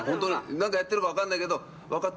何かやってるか分からないけど分かっ